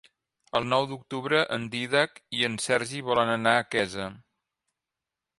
El nou d'octubre en Dídac i en Sergi volen anar a Quesa.